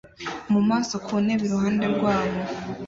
mu maso ku ntebe iruhande rwabo